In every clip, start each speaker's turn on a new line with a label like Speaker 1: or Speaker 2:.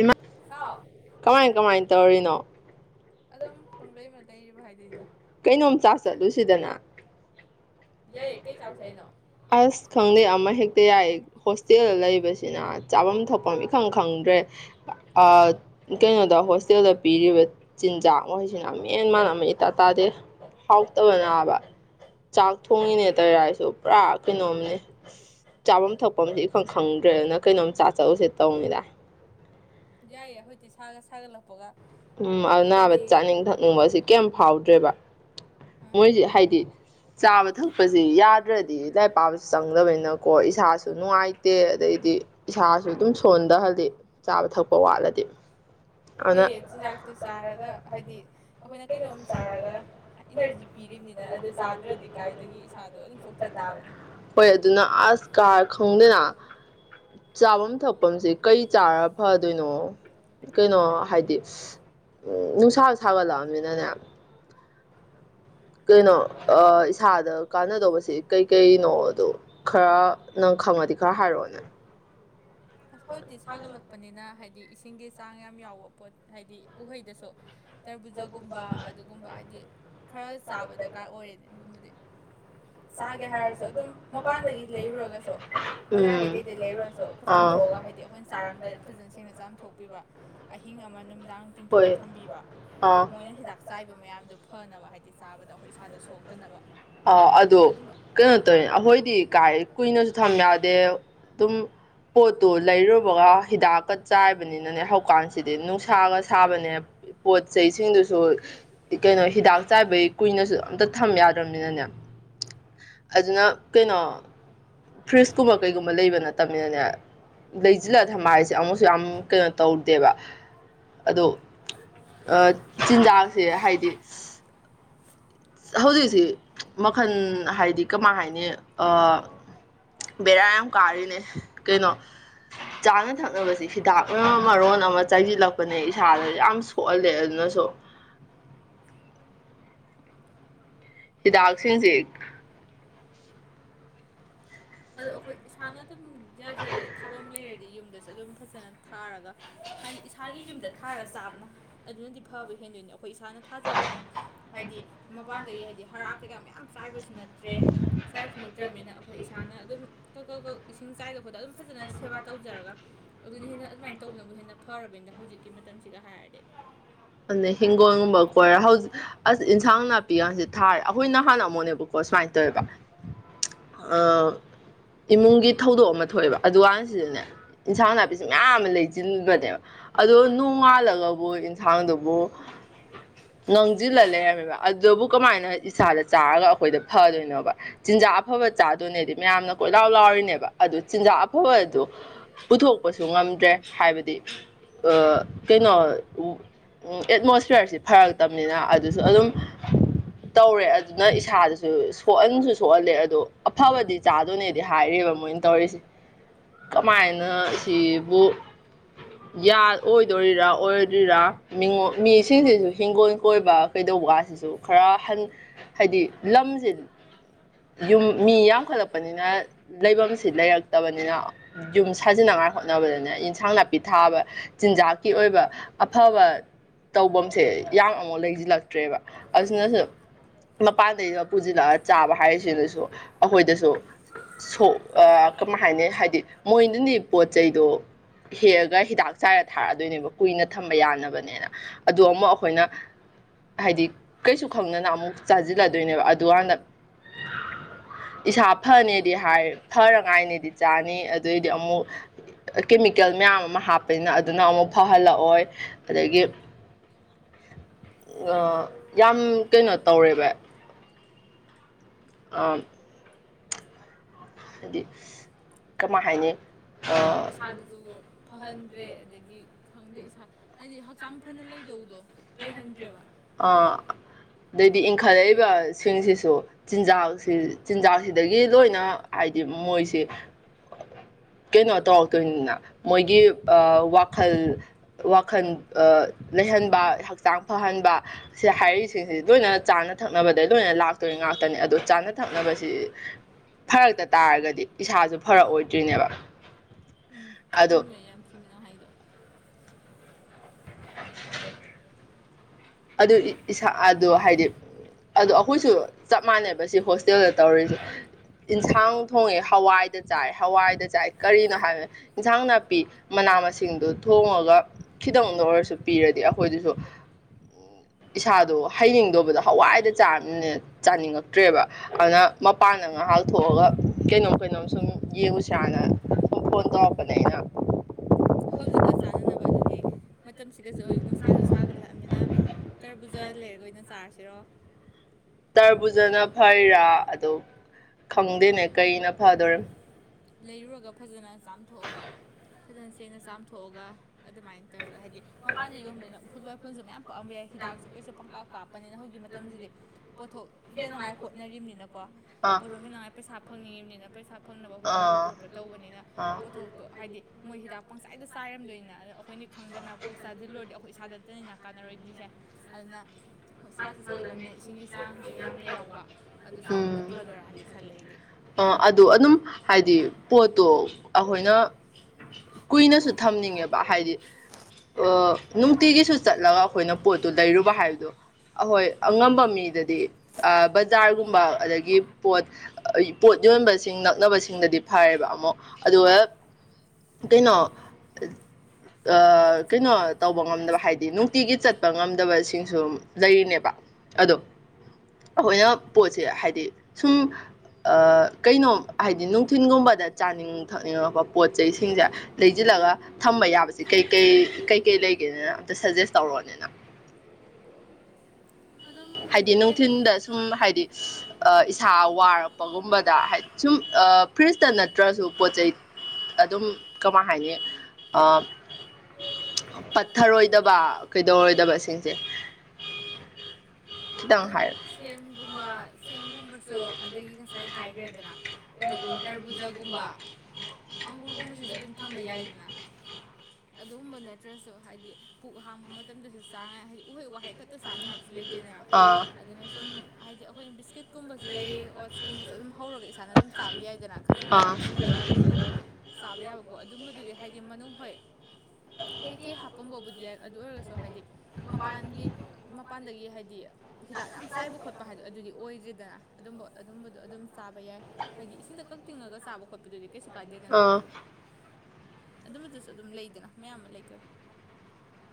Speaker 1: ꯏꯃꯥ
Speaker 2: ꯍꯥꯎ
Speaker 1: ꯀꯃꯥꯏ ꯀꯃꯥꯏꯅ ꯇꯧꯔꯤꯅꯣ
Speaker 2: ꯑꯗꯨꯝ ꯄꯪꯂꯩ ꯃ
Speaker 1: ꯀꯩꯅꯣꯝꯆꯥ ꯆꯠꯂꯨꯁꯤꯗꯅ
Speaker 2: ꯌꯥꯏꯌꯦ ꯀꯩ ꯆꯥꯎꯁꯦ ꯍꯥꯏꯅꯣ
Speaker 1: ꯑꯁ ꯈꯪꯗꯦ ꯑꯃ ꯍꯦꯛꯇ ꯌꯥꯏꯌꯦ ꯍꯣꯁꯇꯦꯜꯗ ꯂꯩꯕꯁꯤꯅ ꯆꯥꯐꯝ ꯊꯛꯐꯝ ꯏꯈꯪ ꯈꯪꯗ꯭ꯔꯦ ꯑꯥ ꯀꯩꯅꯣꯗ ꯍꯣꯁꯇꯦꯜꯗ ꯄꯤꯔꯤꯕ ꯆꯤꯟꯖꯥꯛ ꯃꯈꯩꯁꯤꯅ ꯃꯦꯟ ꯃꯥꯅ ꯑꯃ ꯏꯇꯥ ꯇꯥꯗꯦ ꯍꯥꯎꯇꯕꯅꯕ ꯆꯥꯛ ꯊꯣꯡꯉꯤꯅꯦ [unintelligible] ꯄꯨꯔꯥ ꯀꯩꯅꯣꯝꯅꯦ ꯆꯥꯐꯝ ꯊꯛꯐꯝꯁꯤ ꯏꯈꯪ ꯈꯪꯗ꯭ꯔꯦ ꯑꯗꯨꯅ ꯀꯩꯅꯣꯝ ꯆꯥ ꯆꯠꯂꯨꯁꯦ ꯇꯧꯅꯤꯗ
Speaker 2: ꯌꯥꯏꯌꯦ ꯍꯧꯖꯤꯛꯇꯤ ꯁꯥꯒ ꯁꯥꯒꯠꯂꯛꯄꯒ
Speaker 1: ꯎꯝ ꯑꯅꯥꯕ
Speaker 2: ꯀꯩꯅꯤ
Speaker 1: ꯆꯥꯅꯤꯡ ꯊꯛꯅꯤꯡꯕꯁꯤ ꯀꯌꯥꯝ ꯐꯥꯎꯗ꯭ꯔꯦꯕ ꯃꯣꯏꯁꯦ ꯍꯥꯏꯗꯤ ꯆꯥꯕ ꯊꯛꯄꯁꯤ ꯌꯥꯗ꯭ꯔꯗꯤ ꯂꯥꯏꯔꯤꯛ ꯄꯥꯕꯁꯨ ꯆꯪꯗꯕꯅꯤꯅꯀꯣ ꯏꯁꯥꯁꯨ ꯅꯨꯡꯉꯥꯏꯇꯦ ꯑꯗꯩꯗꯤ ꯏꯁꯥꯁꯨ ꯑꯗꯨꯝ ꯁꯣꯟꯊꯍꯜꯂꯤ ꯆꯥꯕ ꯊꯛꯄ ꯋꯥꯠꯂꯗꯤ ꯑꯗꯨꯅ
Speaker 2: ꯑꯗꯨꯨ ꯆꯥꯔꯒ ꯍꯥꯏꯗꯤ ꯑꯩꯈꯣꯏꯅ ꯀꯩꯅꯣꯝ ꯆꯥꯔꯒ ꯏꯅꯔꯖꯤ ꯄꯤꯔꯤꯕꯅꯤꯅ ꯑꯗꯨ ꯆꯥꯗ꯭ꯔꯗꯤ ꯀꯥꯏꯗꯒꯤ ꯏꯁꯥꯗꯣ ꯑꯗꯨꯝ ꯆꯣꯛꯊ ꯇꯥꯕꯅꯦ
Speaker 1: ꯍꯣꯏ ꯑꯗꯨꯅ ꯑꯁ ꯀꯥꯔ ꯈꯪꯗꯦꯅ ꯆꯥꯐꯝ ꯊꯛꯐꯝꯁꯦ ꯀꯩ ꯆꯥꯔ ꯐꯗꯣꯏꯅꯣ ꯀꯩꯅꯣ ꯑꯣ ꯍꯥꯏꯗꯤ ꯎꯝ ꯅꯨꯡꯁꯥ ꯁꯥꯒꯠꯂꯛꯑꯕꯅꯤꯅꯅꯦ ꯀꯩꯅꯣ ꯑꯥ ꯏꯁꯥꯗ ꯀꯥꯟꯅꯗꯧꯕꯁꯦ ꯀꯩꯀꯩꯅꯣꯗꯣ ꯈꯔ ꯅꯪ ꯈꯪꯉꯗꯤ ꯈꯔ ꯍꯥꯏꯔꯛꯑꯣꯅꯦ
Speaker 2: ꯑꯁ ꯍꯧꯖꯤꯛꯇꯤ ꯁꯥꯒꯠꯂꯛꯄꯅꯤꯅ ꯍꯥꯏꯗꯤ ꯏꯁꯤꯡꯒꯤ ꯆꯥꯡ ꯌꯥꯝ ꯌꯥꯎꯕ ꯄꯣꯠ ꯍꯥꯏꯗꯤ ꯎꯍꯩꯗꯁꯨ ꯇꯔꯕꯨꯖꯥꯒꯨꯝꯕ ꯑꯗꯨꯒꯨꯝꯕ ꯍꯥꯏꯗꯤ ꯈꯔ ꯆꯥꯕ ꯗꯔꯀꯥꯔ ꯑꯣꯏꯔꯦꯅꯦ ꯑꯗꯨꯕꯨꯗꯤ ꯆꯥꯒꯦ ꯍꯥꯏꯔꯁꯨ ꯑꯗꯨꯝ ꯃꯄꯥꯟꯗꯒꯤ ꯂꯩꯔꯨꯔꯒꯁꯨ ꯕꯖꯥꯔꯗꯩ ꯀꯩꯗꯩ ꯂꯩꯔꯨꯔꯁꯨꯝ ꯊꯣꯛꯑꯒ ꯍꯥꯏꯗꯤ ꯑꯩꯈꯣꯏꯅ ꯆꯥꯔꯝꯗꯥꯏꯗ ꯐꯖꯅ ꯁꯦꯡꯅ ꯆꯥꯝꯊꯣꯛꯄꯤꯕ ꯑꯍꯤꯡ ꯑꯃ ꯑꯗꯨꯝ ꯍꯤꯗꯡ ꯇꯤꯡꯊꯣꯛꯑ
Speaker 1: ꯏꯟꯁꯥꯡ
Speaker 2: ꯊꯝꯕꯤꯕ
Speaker 1: ꯍꯣꯏ
Speaker 2: ꯃꯣꯏꯅ ꯍꯤꯗꯥꯛ ꯆꯥꯏꯕ ꯃꯌꯥꯝꯗꯣ ꯐꯅꯕ ꯍꯥꯏ ꯍꯥꯏꯗꯤ ꯆꯥꯕꯗ ꯑꯩꯈꯣꯏ ꯏꯁꯥꯗ ꯁꯣꯛꯇꯅꯕ
Speaker 1: ꯑꯗꯨꯗ
Speaker 2: ꯑꯗꯨꯝꯕ
Speaker 1: ꯀꯩꯅꯣ ꯇꯧꯅꯦ ꯑꯩꯈꯣꯏꯗꯤ ꯀꯥꯏ ꯀꯨꯏꯅꯁꯨ ꯊꯝ ꯌꯥꯗꯦ ꯑꯗꯨꯝ ꯄꯣꯠꯇꯨ ꯂꯩꯔꯨꯕꯒ ꯍꯤꯗꯥꯛꯀ ꯆꯥꯏꯕꯅꯤꯅꯅꯦ ꯍꯧꯀꯥꯟꯁꯤꯗꯤ ꯅꯨꯡꯁꯥꯒ ꯁꯥꯕꯅꯦ ꯄꯣꯠ ꯆꯩꯁꯤꯡꯗꯨꯁꯨ ꯀꯩꯅꯣ ꯍꯤꯗꯥꯛ ꯆꯥꯏꯕꯩ ꯀꯨꯏꯅꯁꯨ ꯑꯝꯇ ꯊꯝ ꯌꯥꯗꯦ ꯝꯅ ꯑꯗꯨꯅ ꯀꯩꯅꯣ ꯐ꯭ꯔꯤꯖꯀꯨꯝꯕ ꯀꯩꯒꯨꯝꯕ ꯂꯩꯕ ꯅꯠꯇꯕꯅꯤꯅꯅꯦ ꯂꯩꯁꯤꯜꯂ ꯊꯃ ꯍꯥꯏꯁꯦ ꯑꯃꯨꯛꯁꯨ ꯌꯥꯝ ꯀꯩꯅꯣ ꯇꯧꯗꯦꯕ ꯑꯣ ꯆꯤꯟꯖꯥꯛꯁꯦ ꯍꯥꯏꯗꯤ ꯍꯧꯖꯤꯛꯁꯤ ꯃꯈꯜ ꯍꯥꯏꯗꯤ ꯀꯃꯥꯏ ꯍꯥꯏꯅꯤ ꯕꯦꯔꯥ ꯌꯥꯝ ꯀꯥꯔꯤꯅꯦ ꯀꯩꯅꯣ ꯆꯥꯅ ꯊꯛꯅꯕꯁꯤ ꯍꯤꯗꯥꯛꯅ ꯃꯔꯣꯟ ꯑꯃ ꯆꯥꯏꯁꯤꯜꯂꯛꯄꯅꯦ ꯏꯁꯥꯗ ꯌꯥꯝ ꯁꯣꯛꯍꯜꯂꯦ ꯑꯗꯨꯅꯁꯨ ꯍꯗꯥꯁꯤꯡꯁꯦ
Speaker 2: ꯑꯗꯣ ꯑꯩꯈꯣꯏ ꯏꯁꯥꯅ ꯑꯗꯨꯝ ꯌꯥꯖꯔꯦ ꯊꯥꯐꯝ ꯂꯩꯔꯗꯤ ꯌꯨꯝꯗꯁꯨ ꯑꯗꯨꯝ ꯐꯖꯅ ꯊꯥꯔꯒ ꯍꯥꯏꯗꯤ ꯏꯁꯥꯒꯤ ꯌꯨꯝꯗ ꯊꯥꯔꯒ ꯆꯥꯕꯅ ꯑꯗꯨꯅꯗꯤ ꯐꯕ ꯍꯦꯟꯗꯣꯏꯅꯤ ꯑꯩꯈꯣꯏ ꯏꯁꯥꯅ ꯊꯥꯖꯕꯅꯤꯅ ꯍꯥꯏꯗꯤ ꯃꯄꯥꯟꯗꯒꯤ ꯍꯥꯏꯗꯤ ꯍꯥꯔ ꯀꯩꯀꯥ ꯃꯌꯥꯝ ꯆꯥꯏꯕꯁꯨ ꯅꯠꯇ꯭ꯔꯦ ꯆꯥꯏꯕꯁꯨ ꯅꯠꯇ꯭ꯔꯕꯅꯤꯅ ꯑꯩꯈꯣꯏ ꯏꯁꯥ ꯏꯁꯥꯅ ꯑꯗꯨꯝ ꯀꯛ ꯀ ꯀ ꯏꯁꯤꯡ ꯆꯥꯏꯗ ꯈꯣꯠꯄ ꯑꯗꯨꯝ ꯐꯖꯅ ꯁꯦꯕꯥ ꯇꯧꯖꯔꯒ ꯑꯗꯨꯅ ꯍꯦꯟꯅ ꯑꯗꯨꯃꯥꯏꯅ ꯇꯧꯕꯅꯕ
Speaker 1: ꯑꯗꯩ ꯍꯤꯡꯒꯣꯜꯒꯨꯝꯕ ꯀꯣꯏꯔꯦ ꯍꯧꯖꯤꯛ ꯑꯁ ꯏꯟꯁꯥꯡ ꯅꯥꯄꯤꯒꯁꯤꯦ ꯊꯥꯔꯦ ꯑꯩꯈꯣꯏꯅꯍꯥꯟꯅ ꯑꯃꯛꯅꯦꯕꯀꯣ ꯁꯨꯃꯥꯏꯅ ꯇꯧꯋꯦꯕ ꯑ ꯏꯃꯨꯡꯒꯤ ꯊꯧꯗꯣꯛ ꯑꯃ ꯊꯣꯛꯑꯦꯕ ꯑꯗꯨꯀꯥꯟꯁꯤꯗꯅꯦ ꯏꯟꯁꯥꯡ ꯅꯥꯄꯤ ꯑꯝ ꯂꯩ ꯆꯤꯟꯕꯅꯦꯕ ꯑꯗꯣ ꯅꯣꯡꯉꯥꯜꯂꯒꯕꯨ ꯏꯟꯁꯥꯡꯗꯨꯕꯨ ꯅꯣꯡꯖ ꯂ ꯂꯩꯦ ꯍꯥꯏꯕꯕꯨ ꯀꯃꯥꯏꯅ ꯏꯁꯥꯗ ꯆꯥꯔꯒ ꯑꯩꯈꯣꯏꯗ ꯐꯗꯣꯏꯅꯣꯕ ꯆꯤꯟꯖꯥꯛ ꯑꯐꯕ ꯆꯥꯗꯣꯏꯅꯦꯗꯤ ꯃꯌꯥꯝꯅ ꯀꯣꯏꯂꯥꯎ ꯂꯥꯎꯔꯤꯅꯦꯕ ꯑꯗꯨ ꯆꯤꯟꯖꯥꯛ ꯑꯐꯕ ꯑꯗꯨ ꯄꯨꯊꯣꯛꯄꯁꯨ ꯉꯝꯗ꯭ꯔꯦ ꯍꯥꯏꯕꯗꯤ ꯀꯩꯅꯣ ꯑꯦꯠꯃꯣꯁꯐꯤꯌꯔꯁꯤ ꯐꯔꯛꯇꯕꯅꯤꯅ ꯑꯗꯨꯁꯨ ꯑꯗꯨꯝ ꯇꯧꯔꯦ ꯑꯗꯨꯅ ꯏꯁꯥꯗꯁꯨ ꯁꯣꯛꯍꯟꯁꯨ ꯁꯣꯛꯍꯜꯂꯦ ꯑꯗꯣ ꯑꯐꯕꯗꯤ ꯆꯥꯗꯣꯏꯅꯦꯗꯤ ꯍꯥꯏꯔꯤꯕ ꯃꯣꯏꯅ ꯇꯧꯔꯤꯁꯦ ꯀꯃꯥꯏꯅ ꯁꯤꯕꯨ ꯑꯣꯏꯗꯣꯔꯥ ꯑꯣꯏꯔꯗꯣꯏꯔꯥꯉꯣ ꯃꯤꯁꯤꯡꯁꯤꯁꯨ ꯍꯤꯡꯒꯣꯜ ꯀꯣꯏꯕ ꯀꯩꯗꯧꯕꯁꯤꯁꯨ ꯈꯔ ꯍꯥꯏꯗꯤ ꯂꯝꯁꯤ ꯌꯨꯝ ꯃꯤ ꯌꯥꯝꯈꯠꯂꯛꯄꯅꯤꯅ ꯂꯩꯐꯝꯁꯤ ꯂꯩꯔꯛꯇꯕꯅꯤꯅ ꯌꯨꯝ ꯁꯥꯖꯤꯟꯅꯉꯥꯏ ꯍꯣꯠꯅꯕꯅꯤꯅ ꯑꯦꯟꯁꯥꯡ ꯅꯥꯄꯤ ꯊꯥꯕ ꯆꯤꯟꯖꯥꯛꯀꯤ ꯑꯣꯏꯕ ꯑꯐꯕ ꯇꯧꯐꯝꯁꯦ ꯌꯥꯝ ꯑꯃꯨꯛ ꯂꯩꯁꯤꯜꯂꯛꯇ꯭ꯔꯦꯕ ꯑꯗꯨꯅꯁꯨ ꯃꯄꯥꯟꯗꯗ ꯄꯨꯁꯤꯜꯂꯛꯑ ꯆꯥꯕ ꯍꯥꯏꯔꯤꯁꯤꯅꯁꯨ ꯑꯩꯈꯣꯏꯗꯁꯨ ꯁ ꯀꯃꯥꯏ ꯍꯥꯏꯅꯤ ꯍꯥꯏꯗꯤ ꯃꯣꯏꯅꯅꯤ ꯄꯣꯠ ꯆꯩꯗꯣ ꯍꯦꯛꯑꯒ ꯍꯤꯗꯥꯛ ꯆꯥꯏꯔ ꯊꯥꯔꯛꯑꯗꯣꯏꯅꯦꯕ ꯀꯨꯏꯅ ꯊꯝꯕ ꯌꯥꯅꯕꯅꯦꯅ ꯑꯗꯨ ꯑꯃꯨꯛ ꯑꯩꯈꯣꯏꯅ ꯍꯥꯏꯗꯤ ꯀꯩꯁꯨ ꯈꯪꯗꯅ ꯑꯃꯨꯛ ꯆꯥꯁꯤꯜꯂꯗꯣꯏꯅꯦꯕ ꯑꯗꯨꯀꯥꯟꯗ ꯏꯁꯥ ꯐꯅꯦꯗꯤ ꯍꯥꯏ ꯐꯅꯉꯥꯏꯅꯦꯗꯤ ꯆꯥꯅꯤ ꯑꯗꯨꯑꯣꯏꯗꯤ ꯑꯃꯨꯛ ꯍꯣꯇꯦꯜ ꯃꯌꯥꯝ ꯑꯃ ꯍꯥꯞꯄꯅꯤꯅ ꯑꯗꯨꯅ ꯑꯃꯨꯛ ꯐꯍꯜꯂꯛꯑꯣꯏ ꯑꯗꯒꯤ ꯌꯥꯝ ꯀꯩꯅꯣ ꯇꯧꯔꯦꯕ ꯑ ꯍꯥꯏꯗꯤ ꯀꯃꯥꯏ ꯍꯥꯏꯅꯤ
Speaker 2: ꯏꯁꯥꯗꯁꯨ ꯐꯍꯟꯗ꯭ꯔꯦ ꯑꯗꯒꯤ ꯈꯪꯗꯦ ꯏꯁꯥ ꯍꯥꯏꯗꯤ ꯍꯛꯆꯥꯡ ꯐꯅ ꯂꯩꯗꯧꯗꯣ ꯂꯩꯍꯟꯗ꯭ꯔꯦꯕ
Speaker 1: ꯑꯥ ꯑꯗꯩꯗꯤ ꯏꯟꯈꯠꯂꯛꯏꯕ ꯁꯤꯡꯁꯤꯁꯨ ꯆꯤꯟꯖꯥꯛꯁꯤ ꯆꯤꯟꯖꯥꯛꯁꯤꯗꯒꯤ ꯂꯣꯏꯅ ꯍꯥꯏꯕꯗꯤ ꯃꯣꯏꯁꯤ ꯀꯩꯅꯣ ꯇꯧꯔꯛꯇꯣꯏꯅꯤꯅ ꯃꯣꯏꯒꯤ ꯋꯥꯈꯜ ꯋꯥꯈꯜ ꯂꯩꯍꯟꯕ ꯍꯛꯆꯥꯡ ꯐꯍꯟꯕ ꯁꯤ ꯍꯥꯏꯔꯤꯁꯤꯡꯁꯤ ꯂꯣꯏꯅ ꯆꯥꯅ ꯊꯛꯅꯕꯗꯩ ꯂꯣꯏꯅ ꯂꯥꯛꯇꯣꯏꯅꯤ ꯉꯥꯛꯇꯅꯤ ꯑꯗꯨ ꯆꯥꯅ ꯊꯛꯅꯕꯁꯤ ꯐꯔꯛꯇ ꯇꯥꯔꯒꯗꯤ ꯏꯁꯥꯁꯤ ꯑꯗꯨ ꯐꯔꯛꯑꯣꯏꯗ꯭ꯔꯤꯅꯦꯕ
Speaker 2: ꯎꯝ
Speaker 1: ꯑꯗꯣ
Speaker 2: ꯆꯨꯝꯃꯦ ꯌꯥꯝ ꯆꯨꯝꯃꯤꯅ ꯍꯥꯏꯗꯣ
Speaker 1: [inaudible] ꯑꯗꯨ ꯑꯗꯣ ꯍꯥꯏꯗꯤ ꯑꯗꯣ ꯑꯩꯈꯣꯏꯁꯨ ꯆꯞ ꯃꯥꯟꯅꯩ ꯁꯤ ꯍꯣꯁꯇꯦꯜꯗ ꯇꯧꯔꯤꯁꯦ ꯑꯦꯟꯁꯥꯡ ꯊꯣꯡꯉꯦ ꯍꯋꯥꯏꯗ ꯆꯥꯏ ꯍꯋꯥꯏꯗ ꯆꯥꯏ ꯀꯔꯤꯅꯣ ꯍꯥꯏꯕ ꯏꯟꯁꯥꯡ ꯅꯥꯄꯤ ꯃꯅꯥ ꯃꯁꯤꯡꯗꯣ ꯊꯣꯡꯉꯒ ꯈꯤꯇꯪꯗ ꯑꯣꯏꯔꯁꯨ ꯄꯤꯔꯗꯤ ꯑꯩꯈꯣꯏꯗꯨꯁꯨ ꯏꯁꯥꯗꯣ ꯍꯩꯅꯤꯡꯗꯕꯗꯣ ꯍꯋꯥꯏꯗ ꯆꯥꯅꯤꯡꯉꯛꯇ꯭ꯔꯦꯕ ꯑꯗꯨꯅ ꯃꯄꯥꯟꯗ ꯉꯥꯏꯍꯥꯛ ꯊꯣꯛꯑꯒ ꯀꯩꯅꯣꯝ ꯀꯩꯅꯣꯝ ꯁꯨꯝ ꯌꯦꯡꯉꯨꯁꯤꯔꯅ ꯁꯨꯝ ꯐꯣꯟ ꯇꯧꯔꯛꯄꯅꯦ ꯑꯩꯅ
Speaker 2: ꯍꯧꯖꯤꯛꯀ ꯆꯥꯟꯅꯅꯕ ꯑꯗꯨꯗꯤ ꯃꯇꯝꯁꯤꯒꯁꯨ ꯑꯩ ꯅꯨꯡꯁꯥꯁꯨ ꯁꯥꯒꯠꯂꯛꯑꯃꯤꯅ ꯇꯔꯕꯨꯖꯥ ꯂꯩꯔꯒ ꯑꯣꯏꯅ ꯆꯥꯔꯁꯤꯔꯣ
Speaker 1: ꯇꯔꯕꯨꯖꯅ ꯐꯩꯔꯥ ꯑꯗꯨ ꯈꯪꯗꯦꯅꯦ ꯀꯩꯅ ꯐꯗꯣꯔꯤ
Speaker 2: ꯂꯩꯔꯨꯔꯒ ꯐꯖꯅ ꯆꯥꯝꯊꯣꯛꯑꯕ ꯐꯖꯅ ꯁꯦꯡꯅ ꯆꯥꯝꯊꯣꯛꯑꯒ ꯑꯗꯨꯃꯥꯏꯅ ꯇꯧꯔꯒ ꯍꯥꯏꯗꯤ ꯃꯄꯥꯟꯗꯩ ꯌꯣꯟꯗꯅ ꯐꯨꯠꯕꯜ ꯍꯧꯖꯨꯝꯃꯦꯦ ꯄꯥꯝ ꯌꯥꯏꯤꯗꯥꯛꯁꯨ ꯀꯩꯁꯨ ꯄꯪꯥꯞ ꯀꯥꯞꯄ ꯄꯅꯤꯅ ꯍꯧꯖꯤꯈꯤꯕ ꯃꯇꯝꯁꯤꯗꯤ ꯄꯣꯠꯊꯣꯛ ꯍꯦꯟꯅꯉꯥꯏ ꯍꯣꯠꯅꯔꯤꯕꯅꯤꯅꯀꯣ
Speaker 1: ꯑꯥ
Speaker 2: ꯄꯣꯠꯊꯣꯛ ꯍꯦꯟꯅꯉꯥꯏ ꯄꯩꯁꯥ ꯐꯪꯅꯤꯡꯉꯤꯅꯤꯅ ꯄꯩꯁꯥ ꯐꯪ ꯍꯣꯠꯅꯕ
Speaker 1: ꯑꯥ
Speaker 2: ꯈꯣꯠꯄ ꯇꯧꯕꯅꯤꯅ
Speaker 1: ꯑꯥ
Speaker 2: ꯄꯣꯠꯊꯣꯛꯇꯣ ꯍꯥꯏꯗꯤ ꯃꯣꯏ ꯍꯤꯗꯥꯛ ꯄꯪꯆꯥꯏꯗꯣ ꯆꯥꯏꯔꯝꯗꯣꯏꯅ ꯑꯗ ꯑꯩꯈꯣꯏꯅ ꯈꯪꯗꯅ ꯀꯣꯛ ꯆꯥꯁꯤꯜꯂꯨꯔꯔꯗꯤ ꯑꯩꯈꯣꯏ ꯏꯁꯥꯗꯠꯇꯅꯤꯅ ꯀꯥꯟꯅꯔꯣꯏꯗ꯭ꯣꯏꯁꯦ ꯑꯗꯨꯅ ꯍꯣꯏ ꯁꯥꯁꯨ ꯁꯥꯒꯠꯂꯝꯅꯤꯅ ꯏꯁꯤꯡꯒꯤ ꯆꯥꯡꯁꯨ ꯌꯥꯝꯅ ꯌꯥꯎꯕ ꯑꯗꯨ ꯆꯥꯕꯅ
Speaker 1: ꯎꯝ
Speaker 2: ꯐꯗꯣꯏꯔꯥꯅꯗꯤ ꯈꯜꯂꯦ ꯑꯩꯗꯤ
Speaker 1: ꯑ ꯑꯗꯨꯗꯣ ꯑꯗꯨꯝ ꯍꯥꯏꯗꯤ ꯄꯣꯠꯇꯣ ꯑꯩꯈꯣꯏꯅ ꯀꯨꯏꯅꯁꯨ ꯊꯝꯅꯤꯡꯉꯦꯕ ꯍꯥꯏꯗꯤ ꯅꯨꯡꯇꯤꯒꯤꯁꯨ ꯆꯠꯂꯒ ꯑꯩꯈꯣꯏꯅ ꯄꯣꯠꯇꯣ ꯂꯩꯔꯨꯕ ꯍꯥꯏꯕꯗꯣ ꯑꯍꯣꯏ ꯑꯉꯝꯕ ꯃꯤꯗꯗꯤ ꯑ ꯕꯖꯥꯔꯒꯨꯝꯕ ꯑꯗꯒꯤ ꯄꯣꯠ ꯄꯣꯠ ꯌꯣꯟꯕꯁꯤꯡ ꯅꯛꯅꯕꯁꯤꯡꯗꯗꯤ ꯐꯔꯦꯕ ꯑꯃꯨꯛ ꯑꯗꯨꯒ ꯀꯩꯅꯣ ꯀꯩꯅꯣ ꯇꯧꯕ ꯉꯝꯗꯕ ꯍꯥꯏꯗꯤ ꯅꯨꯡꯇꯤꯒꯤ ꯆꯠꯄ ꯉꯝꯗꯕꯁꯤꯡꯁꯨ ꯂꯩꯔꯤꯅꯦꯕ ꯑꯗꯣ ꯑꯩꯈꯣꯏꯅ ꯄꯣꯠꯁꯦ ꯍꯥꯏꯗꯤ ꯁꯨꯝ ꯀꯩꯅꯣꯝ ꯍꯥꯏꯗꯤ ꯅꯨꯡꯊꯤꯤꯟꯒꯨꯝꯕꯗ ꯆꯥꯅꯤꯡ ꯊꯛꯅꯤꯡꯉꯛꯄ ꯄꯣꯠ ꯆꯩꯁꯤꯡꯁꯦ ꯂꯩꯁꯤꯜꯂꯒ ꯊꯝꯕ ꯌꯥꯕꯁꯤ ꯀꯩꯀꯩ ꯀꯩꯀꯩ ꯂꯩꯒꯦꯅꯤꯅ ꯑꯝꯇ ꯁꯖꯦꯁ ꯇꯧꯔꯛꯑꯣꯅꯤꯅ
Speaker 2: ꯑꯗꯨꯝ
Speaker 1: ꯍꯥꯏꯗꯤ
Speaker 2: ꯀꯩ
Speaker 1: ꯅꯨꯡꯊꯤꯟꯗ ꯁꯨꯝ ꯍꯥꯏꯗꯤ ꯍꯥꯏꯗꯤ ꯏꯁꯥ ꯋꯥꯔꯛꯄꯒꯨꯝꯕꯗ ꯍꯥꯏꯗꯤ ꯁꯨꯝ ꯐ꯭ꯔꯤꯖꯇ ꯅꯠꯇ꯭ꯔꯁꯨ ꯄꯣꯠ ꯆꯩ ꯑꯗꯨꯝ ꯀꯃꯥꯏ ꯍꯥꯏꯅꯤ ꯄꯠꯊꯔꯣꯏꯗꯕ ꯀꯩꯗꯧꯔꯣꯏꯗꯕꯁꯤꯡꯁꯦ ꯈꯤꯇꯪ
Speaker 2: ꯑꯗꯨꯝ
Speaker 1: ꯍꯥꯏꯔ
Speaker 2: ꯁꯦꯝꯒꯨꯝꯕ ꯁꯦꯝꯒꯨꯝꯕꯁꯨ ꯑꯗꯒꯤ ꯉꯁꯥꯏ ꯍꯥꯏꯈ꯭ꯔꯦꯗꯅ ꯀꯩꯅꯣꯒꯨꯝꯕ ꯇꯔꯕꯨꯖꯥꯒꯨꯝꯕ ꯑꯪꯒꯨꯔꯒꯨꯝꯕꯁꯤꯁꯨ ꯑꯗꯨꯝ ꯊꯝꯕ ꯌꯥꯏꯗꯅ ꯑꯗꯨꯒꯨꯝꯕ ꯅꯠꯇ꯭ꯔꯁꯨ ꯍꯥꯏꯗꯤ ꯄꯨꯛ ꯍꯥꯡꯕ ꯃꯇꯝꯗꯁꯨ ꯆꯥꯡꯉ ꯍꯥꯏ ꯎꯍꯩ ꯋꯥꯍꯩ ꯈꯛꯇ ꯁꯥꯥꯅꯤ ꯍꯥꯏꯕꯕꯁꯤ ꯂꯩꯇꯦꯗꯅ
Speaker 1: ꯑꯥ
Speaker 2: ꯑꯗꯨꯅ ꯁꯨꯝ ꯍꯥꯏꯗꯤ ꯑꯩꯈꯣꯏꯅ ꯕꯤꯁꯀꯤꯠꯀꯨꯝꯕꯁꯨ ꯂꯩ ꯑꯣꯠꯁꯀꯨꯝꯕꯁꯨ ꯑꯗꯨꯝ ꯍꯧꯔꯒ ꯏꯁꯥꯅ ꯑꯗꯨꯝ ꯆꯥꯕ ꯌꯥꯏꯗꯅ ꯈꯖꯤꯛ ꯈꯖꯛ
Speaker 1: ꯑꯥ
Speaker 2: ꯏꯁꯤꯡꯗꯒ ꯇꯤꯡꯉꯒ ꯆꯥꯕ ꯌꯥꯕ ꯄꯣꯠ ꯑꯗꯨꯝꯕꯗꯨꯗꯤ ꯍꯥꯏꯗꯤ ꯃꯅꯨꯡ ꯍꯣꯏ ꯍꯦꯛ ꯀꯦꯛ ꯍꯥꯄꯝꯕꯕꯨꯗꯤ ꯌꯥꯏ ꯑꯗꯨ ꯑꯣꯏꯔꯒꯁꯨ ꯍꯥꯏꯗꯤ ꯃꯄꯥꯟꯒꯤ ꯃꯄꯥꯟꯗꯒꯤ ꯍꯥꯏꯗꯤ ꯍꯤꯗꯥꯛ ꯌꯥꯝ ꯆꯥꯏꯕ ꯈꯣꯠꯄ ꯍꯥꯏꯗꯣ ꯑꯗꯨꯗꯤ ꯑꯣꯏꯗ꯭ꯔꯦꯗꯅ ꯑꯗꯨꯝꯕ ꯑꯗꯨꯝꯕꯗꯣ ꯑꯗꯨꯝ ꯆꯥꯕ ꯌꯥꯏ ꯍꯥꯏꯗꯤ ꯏꯁꯤꯡꯗ ꯀꯛ ꯇꯤꯡꯉꯒ ꯆꯥꯕ ꯈꯣꯠꯄꯗꯨꯗꯤ ꯀꯩꯁꯨ ꯀꯥꯏꯗꯦꯗꯅ
Speaker 1: ꯑꯥ
Speaker 2: ꯑꯗꯨꯝꯕꯗꯨꯁꯨ ꯑꯗꯨꯝ ꯂꯩꯗꯅ ꯃꯌꯥꯝ ꯑꯃ ꯂꯩꯈꯣꯏ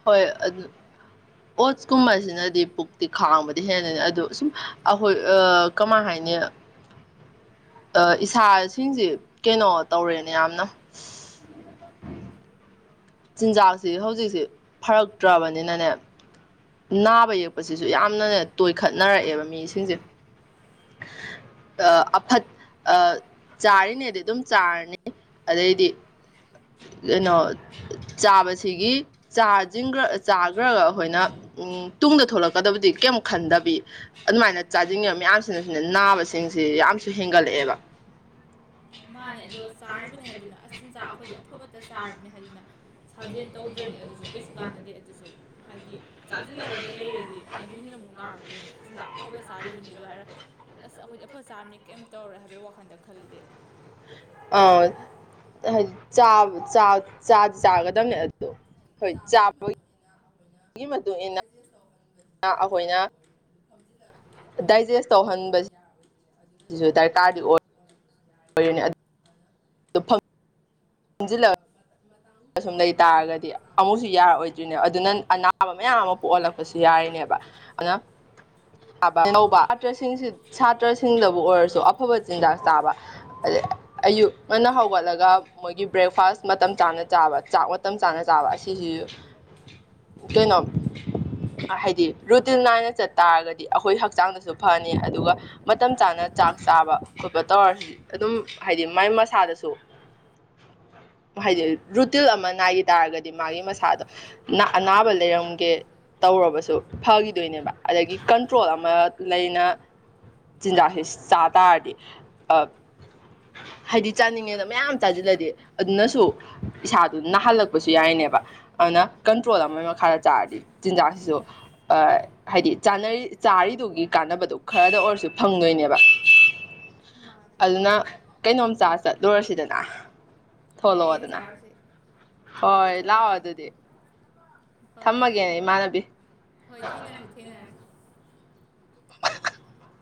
Speaker 1: ꯍꯣꯏ ꯑꯗꯨ ꯑꯣꯠꯁꯀꯨꯝꯕꯁꯤꯅꯗꯤ ꯄꯨꯛꯇꯤ ꯈꯥꯡꯕꯗꯤ ꯍꯦꯟꯅꯅꯤ ꯑꯗꯨ ꯁꯨꯝ ꯑꯩꯈꯣꯏ ꯀꯃꯥꯏ ꯍꯥꯏꯅꯤ ꯏꯁꯥꯁꯤꯡꯁꯦ ꯀꯩꯅꯣ ꯇꯧꯔꯦꯅꯦ ꯌꯥꯝꯅ [unintelligible] ꯆꯤꯟꯖꯥꯛꯁꯤ ꯍꯧꯖꯤꯛꯁꯤ ꯐꯔꯛꯇ꯭ꯔꯕꯅꯤꯅꯅꯦ ꯅꯥꯕ ꯌꯦꯛꯄꯁꯤꯁꯨ ꯌꯥꯝꯅꯅꯦ ꯇꯣꯏꯈꯠꯅꯔꯛꯑꯦꯕ ꯃꯤꯁꯤꯡꯁꯦ ꯑꯐꯠ ꯆꯥꯔꯤꯉꯩꯗꯤ ꯑꯗꯨꯝ ꯆꯥꯔꯅꯤ ꯑꯗꯩꯗꯤ ꯀꯩꯅꯣ ꯆꯥꯕꯁꯤꯒꯤ ꯆꯥ ꯆꯥꯈ꯭ꯔꯒ ꯑꯩꯈꯣꯏꯅ ꯇꯨꯡꯗ ꯊꯣꯛꯂꯛꯀꯗꯕꯗꯤ ꯀꯔꯤꯝ ꯈꯟꯗꯕꯤ ꯑꯗꯨꯃꯥꯏꯅ ꯆꯥꯖꯅꯤꯡꯉꯕ ꯃꯌꯥꯝ ꯁꯤꯅ ꯅꯥꯕꯁꯤꯡꯁꯤ ꯌꯥꯝꯁꯨ ꯍꯦꯟꯒꯠꯂꯛꯑꯦꯕ
Speaker 2: ꯃꯥꯅꯦ ꯑꯗꯣ ꯆꯥꯔꯤꯕꯅꯦ ꯍꯥꯏꯗꯨꯅ ꯑꯁ ꯆꯤꯟꯖꯥꯛ ꯑꯩꯈꯣꯏꯗꯤ ꯑꯐꯕꯇ ꯆꯥꯔꯕꯅꯤ ꯍꯥꯏꯗꯨꯅ ꯁꯥꯖꯦꯜ ꯇꯧꯗ꯭ꯔꯗꯤ ꯑꯗꯨꯁꯨ ꯀꯩꯁꯨ ꯀꯥꯟꯅꯗꯦ ꯑꯗꯨꯁꯨ ꯍꯥꯏꯗꯤ ꯆꯥꯁꯤꯜꯂꯒꯗ ꯂꯩꯔꯗꯤ ꯑꯗꯨꯅ ꯍꯦꯟꯅ ꯑꯃꯨꯛ ꯅꯥꯔꯛꯇꯣꯏꯅꯦ ꯆꯤꯟꯖꯥꯛ ꯑꯐꯕ ꯆꯥꯔꯤꯕꯅꯤ ꯑꯗꯣ ꯍꯥꯏꯔ ꯑꯁ ꯑꯩꯈꯣꯏꯗꯤ ꯑꯐ ꯆꯥꯔꯅꯤ ꯀꯩꯝ ꯇꯧꯔꯣꯏ ꯍꯥꯏꯕꯒꯤ ꯋꯥꯈꯟꯗ ꯈꯜꯂꯤꯗꯤ
Speaker 1: ꯑ ꯆꯥꯗꯤ ꯆꯥꯒꯗꯕꯅꯦ ꯑꯗꯣ ꯍꯣꯏ ꯆꯥꯕꯒꯤ ꯒꯤ ꯃꯗꯨ ꯏꯟꯅ ꯑꯩꯈꯣꯏꯅ ꯗꯥꯏꯖꯦꯁ ꯇꯧꯍꯟꯕꯁ ꯁꯤꯁꯨ ꯗꯔꯀꯥꯔꯗꯤ ꯑꯣꯏ ꯍ ꯌꯥꯅꯤ ꯑꯗꯨ [unintelligible] ꯆ ꯐꯪ ꯑꯖ ꯂ [unintelligible] ꯑꯁꯨꯝ ꯂꯩ ꯇꯥꯔꯒꯗꯤ ꯑꯃꯨꯛꯁꯨ ꯌꯥꯔꯛꯑꯣꯏꯗ꯭ꯔꯤꯅꯦꯕ ꯑꯗꯨꯅ ꯑꯅꯥꯕ ꯃꯌꯥꯝ ꯑꯃ ꯄꯣꯛꯍꯜꯂꯛꯄꯁꯨ ꯌꯥꯔꯤꯅꯦꯕ ꯑꯗꯨꯅ ꯧꯕꯁꯤꯡ ꯁꯥꯇ꯭ꯔꯁꯤꯡꯗꯕꯨ ꯑꯣꯏꯔꯁꯨ ꯑꯐꯕ ꯆꯤꯟꯖꯥꯛ ꯆꯥꯕ ꯑꯗ ꯑꯌꯨꯛ ꯉꯟꯅ ꯍꯧꯒꯠꯂꯒ ꯃꯣꯏꯒꯤ ꯕ꯭ꯔꯦꯛꯐꯥꯁ ꯃꯇꯝ ꯆꯥꯅ ꯆꯥꯕ ꯆꯥꯛ ꯃꯇꯝ ꯆꯥꯅ ꯆꯥꯕ ꯑꯁꯤꯁꯤꯁꯨ ꯀꯩꯅꯣ ꯍꯥꯏꯗꯤ ꯔꯨꯇꯤꯟ ꯅꯥꯏꯅ ꯆꯠꯇꯥꯥꯔꯒꯗꯤ ꯑꯩꯈꯣꯏ ꯍꯛꯆꯥꯡꯗꯁꯨ ꯐꯅꯤ ꯑꯗꯨꯒ ꯃꯇꯝ ꯆꯥꯅ ꯆꯥꯛ ꯆꯥꯕ ꯈꯣꯠꯄ ꯇꯧꯔꯁꯨ ꯑꯗꯨꯝ ꯍꯥꯏꯗꯤ ꯃꯥꯏ ꯃꯁꯥꯗꯁꯨ ꯍꯥꯏꯗꯤ ꯔꯨꯇꯤꯟ ꯑꯃ ꯅꯥꯏꯈꯤ ꯇꯥꯔꯒꯗꯤ ꯃꯥꯒꯤ ꯃꯁꯥꯗꯣ ꯑꯅꯥꯕ ꯂꯩꯔꯝꯒꯦ ꯇꯧꯔꯕꯁꯨ ꯐꯈꯤꯗꯣꯏꯅꯦꯕ ꯑꯗꯒꯤ ꯀꯟꯇ꯭ꯔꯣꯜ ꯑꯃ ꯂꯩꯅ ꯆꯤꯟꯖꯥꯛꯁꯤꯦ ꯆꯥ ꯇꯥꯔꯗꯤ ꯍꯥꯏꯗꯤ ꯆꯥꯅꯤꯡꯉꯦꯗ ꯃꯌꯥꯝ ꯆꯥꯁꯤꯜꯂꯗꯤ ꯑꯗꯨꯅꯁꯨ ꯏꯁꯥꯗꯨ ꯅꯥꯍꯜꯂꯛꯄꯁꯨ ꯌꯥꯏꯅꯦꯕ ꯑꯗꯨꯅ ꯀꯟꯇ꯭ꯔꯣꯜ ꯑꯃꯒꯤ ꯃꯈꯥꯗ ꯆꯥꯔꯗꯤ ꯆꯤꯟꯖꯥꯛꯁꯤꯁꯨ ꯍꯥꯏꯗꯤ ꯆꯅꯔꯤ ꯆꯥꯔꯤꯗꯨꯒꯤ ꯀꯥꯟꯅꯕꯗꯨ ꯈꯔꯗ ꯑꯣꯏꯔꯁꯨ ꯐꯪꯗꯣꯏꯅꯦꯕ ꯋꯥ
Speaker 2: ꯃꯥꯅꯦ
Speaker 1: ꯆꯠꯂꯨꯔꯁꯤꯗꯅ
Speaker 2: ꯌꯥ ꯌꯦ
Speaker 1: ꯊꯣꯛꯂꯛꯑꯣꯗꯅ
Speaker 2: ꯆꯥꯔꯁꯦ ꯊꯣꯛꯂꯛꯀꯦ
Speaker 1: ꯍꯣꯏ ꯂꯥꯛꯑꯣ
Speaker 2: ꯊꯣꯛꯂꯛꯀꯦ
Speaker 1: ꯑꯗꯨꯗꯤ
Speaker 2: ꯍꯣꯏ ꯍꯣꯏ
Speaker 1: ꯊꯝꯃꯒꯦꯅꯦ ꯏꯃꯥꯟꯅꯕꯤ
Speaker 2: ꯍꯣꯏ ꯊꯦꯡꯅꯔꯁꯤ ꯊꯦꯡꯅꯔꯁꯤ
Speaker 1: [unintelligible]